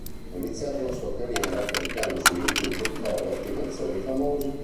Ha iniziato la sua carriera caricando su YouTube cover di canzoni famose.